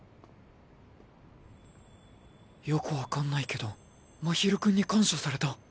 よく分かんないけど真昼君に感謝された。